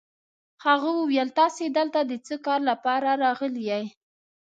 هغه وویل: تاسي دلته د څه کار لپاره راغلئ؟